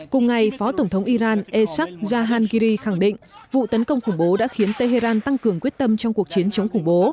cùng ngày phó tổng thống iran esuk zahangiri khẳng định vụ tấn công khủng bố đã khiến tehran tăng cường quyết tâm trong cuộc chiến chống khủng bố